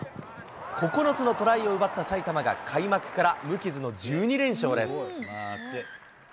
９つのトライを奪った埼玉が開幕から無傷の１２連勝です。